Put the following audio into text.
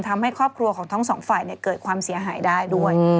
ทำให้ครอบครัวของทั้งสองฝ่ายเกิดความเสียหายได้ด้วย